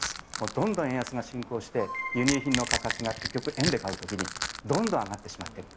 どんどん円安が進行して、輸入品の価格が結局、円で買うときにどんどん上がってしまっている。